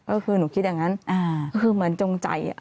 ก็คือนุกิจอย่างงั้น